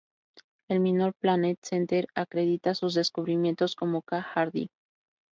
El Minor Planet Center acredita sus descubrimientos como K. Harding.